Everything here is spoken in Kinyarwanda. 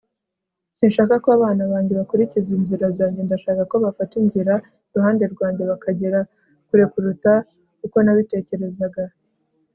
sinshaka ko abana banjye bakurikiza inzira zanjye ndashaka ko bafata inzira iruhande rwanjye bakagera kure kuruta uko nabitekerezaga